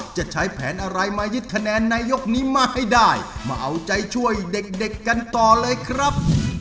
จะใช้แผนอะไรมายึดคะแนนในยกนี้มาให้ได้มาเอาใจช่วยเด็กกันต่อเลยครับ